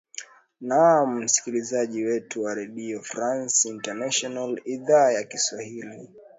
naam msikilizaji wetu wa redio france international idhaa ya kiswahili